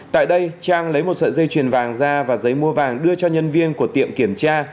tại đây trang lấy một sợi dây chuyền vàng ra và giấy mua vàng đưa cho nhân viên của tiệm kiểm tra